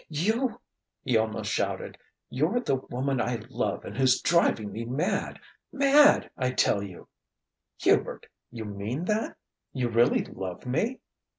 "You," he almost shouted "you're the woman I love and who's driving me mad mad I tell you!" "Hubert! You mean that? You really love me?"